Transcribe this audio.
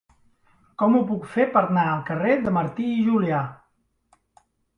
Com ho puc fer per anar al carrer de Martí i Julià?